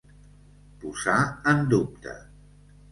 Posar en dubte.